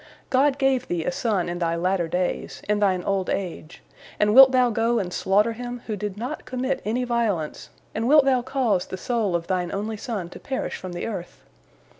God gave thee a son in thy latter days, in thine old age, and wilt thou go and slaughter him, who did not commit any violence, and wilt thou cause the soul of thine only son to perish from the earth?